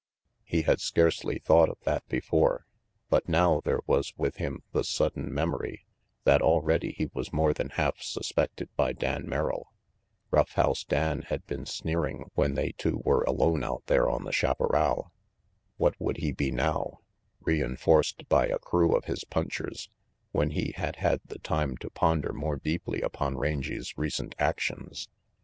He had scarcely thought of that before, but now there was with him the sudden memory that already he was more than half sus pected by Dan Merrill. Rough House Dan had been sneering when they two were alone out there on the chaparral. What would he be now, reinforced 174 RANGY PETE by a crew of his punchers, when he had had the time to ponder more deeply upon Rangy 's recent actions?